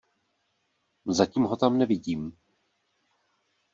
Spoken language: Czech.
Zatím ho tam nevídím.